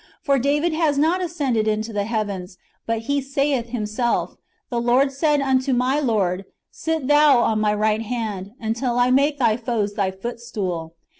For David has not ascended into the heavens ; but he saitli himself, The Lord said unto my Lord, Sit Thou on my right hand, until I make Thy foes Thy footstool.